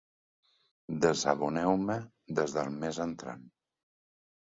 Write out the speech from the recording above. Desaboneu-me des del mes entrant.